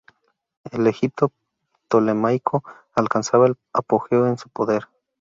El Egipto ptolemaico alcanzaba el apogeo de su poder.